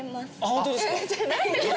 ホントですか？